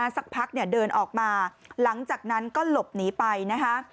สักพักเนี่ยเดินออกมาหลังจากนั้นก็หลบหนีไปนะคะ